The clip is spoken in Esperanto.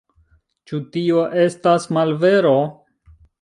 Ĉu tio estas malvero?